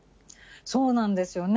そうなんですよね。